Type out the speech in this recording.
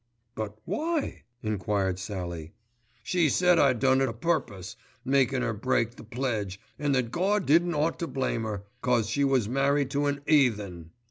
"But why?" enquired Sallie. "She said I done it a purpose, makin' 'er break the pledge, an' that Gawd didn't ought to blame 'er, 'cause she was married to an 'eathen.